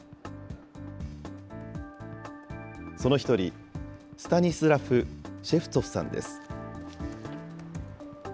その１人、スタニスラフ・シェフツォフさんです。